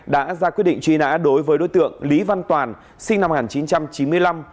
đã ra quyết định truy nã đối với đối tượng lý văn toàn sinh năm một nghìn chín trăm chín mươi năm